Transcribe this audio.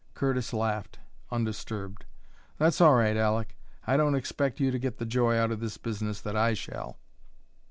Curtis laughed, undisturbed. "That's all right, Aleck. I don't expect you to get the joy out of this business that I shall."